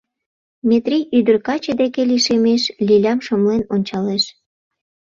Метрий ӱдыр-каче деке лишемеш, Лилям шымлен ончалеш.